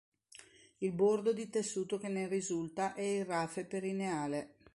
Il bordo di tessuto che ne risulta è il rafe perineale.